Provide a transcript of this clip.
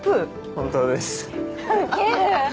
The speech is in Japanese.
本当ですウケる！